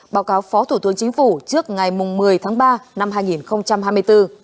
báo cáo phó thủ tướng chính phủ trước ngày một mươi tháng ba năm hai nghìn hai mươi bốn